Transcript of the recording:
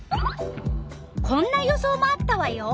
こんな予想もあったわよ。